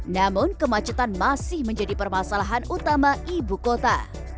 namun kemacetan masih menjadi permasalahan utama ibu kota